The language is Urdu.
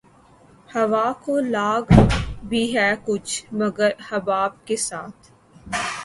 ہوا کو لاگ بھی ہے کچھ مگر حباب کے ساتھ